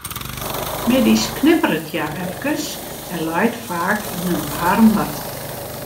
Middeis knipperet hja efkes en leit faak yn in waarm bad.